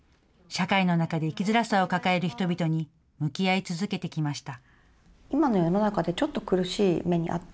社会の中で生きづらさを抱える人々に、向き合い続けてきました。